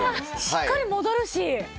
しっかり戻るし。